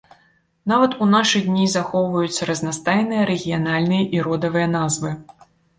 Нават у нашы дні захоўваюцца разнастайныя рэгіянальныя і родавыя назвы.